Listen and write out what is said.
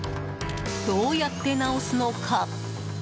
どうやって直すのか？